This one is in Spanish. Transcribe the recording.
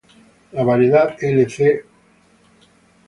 La variedad "L. c." var.